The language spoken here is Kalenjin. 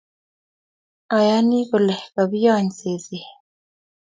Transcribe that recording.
Ayani kole kobiony seset